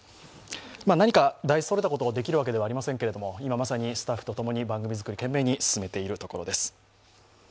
何か大それたことができるわけではありませんけど今、スタッフとともに番組作りを懸命に進めているところです。